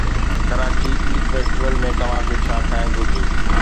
Karachi eat festival ۾ توهان کي ڇا کائڻ گهرجي؟